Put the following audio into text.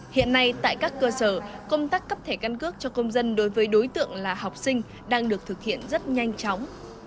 hiện nay tại các cơ sở công tác cấp thẻ căn cước cho công dân đối với đối tượng là học sinh đang được thực hiện rất nhanh chóng